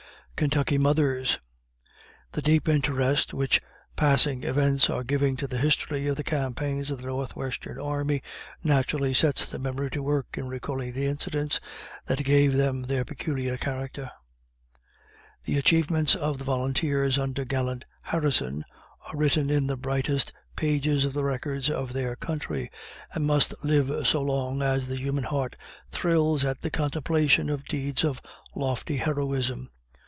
KENTUCKY MOTHERS. "The deep interest which passing events are giving to the history of the campaigns of the North Western Army, naturally sets the memory to work in recalling the incidents that gave them their peculiar character. The achievments of the volunteers under the gallant Harrison, are written in the brightest pages of the records of their country, and must live so long as the human heart thrills at the contemplation of deeds of lofty heroism.